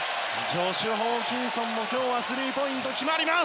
ジョシュ・ホーキンソンも今日はスリーポイントが決まります！